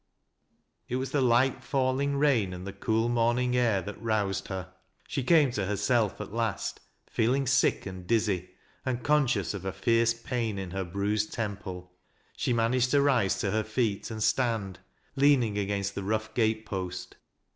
It was the light falling rain and the cool morning air that roused her. She came to herself at last, feeling sick and dizzy, and conscious of a fierce pain in her bruised temple. She managed to rise to her feet and stand, leaning against the rough gate post.